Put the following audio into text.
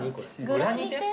グラニテ？